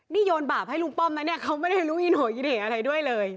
นี่โยนบาปให้ลุงป้อมนะเนี่ยเขาไม่ได้รู้อินโหยอิเหอะไรด้วยเลย